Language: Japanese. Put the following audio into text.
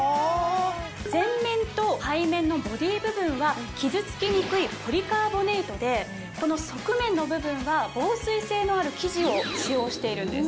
前面と背面のボディー部分は傷つきにくいポリカーボネイトでこの側面の部分は防水性のある生地を使用しているんです。